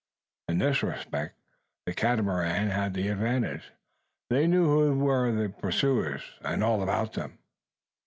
In this respect the Catamarans had the advantage. They knew who were their pursuers; and all about them.